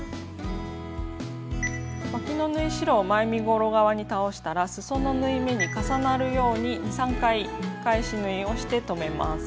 わきの縫い代は前身ごろ側に倒したらすその縫い目に重なるように２３回返し縫いをして留めます。